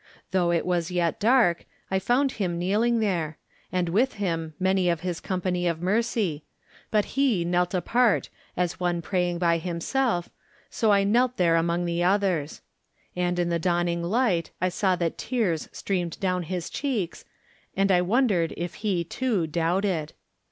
Though it was yet dark, I found him kneeling there, and with him many of his company of mercy, but he knelt apart as one praying by himself, so I knelt there among the others. And in the dawning light I saw that tears streamed down his cheeks, and I wondered if he, too, doubted.